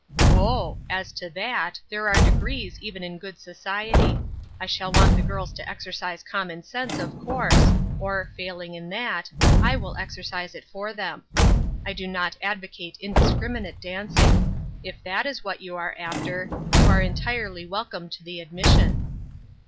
" Oh ! as to that, there are degrees, even in good society ; I shall want the girls to exercise common sense, of course, or, failing in that, I will exercise it for them. I do not advocate indiscriminate dancing ; if that is what you are after, you are entirely welcome to the admission."